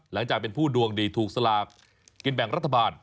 หลังจากเป็นผู้ดวงดีถูกสลากกินแบ่งรัฐบาล